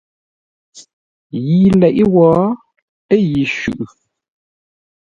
Yi leʼe wo yi shʉʼʉ.